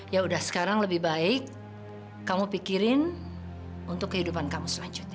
ya udah sekarang lebih baik kamu pikirin untuk kehidupan kamu selanjutnya